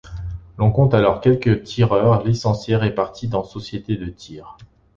L'on compte alors quelque tireurs licenciés répartis dans Sociétés de Tir.